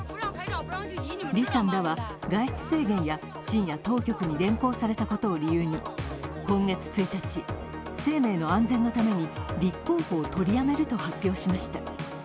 李さんらは外出制限や深夜当局に連行されたことを理由に今月１日、生命の安全のために立候補を取りやめると発表しました。